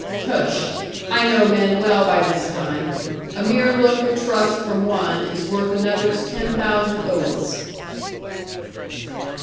Tush! I know men well by this time: a mere look of trust from one is worth another's ten thousand oaths.'